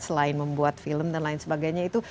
selain membuat film dan lain sebagainya itu